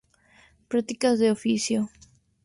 Prácticas de oficio.